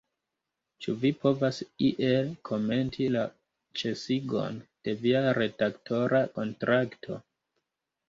Ĉu vi povas iel komenti la ĉesigon de via redaktora kontrakto?